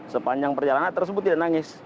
sepanjang perjalanan tersebut tidak nangis